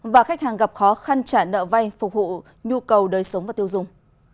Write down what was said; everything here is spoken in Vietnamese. và khách hàng gặp khó khăn trả nợ vay phục vụ nhu cầu đời sống và tiêu dùng